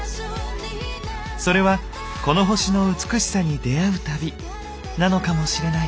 それは「このほしの美しさに出会う旅」なのかもしれない。